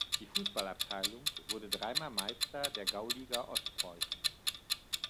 Die Fußballabteilung wurde drei Mal Meister der Gauliga Ostpreußen.